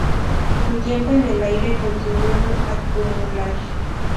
Su tiempo en el aire continúa acumular.